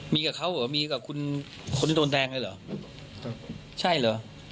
มีกับเขาหรอมีกับคุณโทนแทงได้หรอใช่หรอ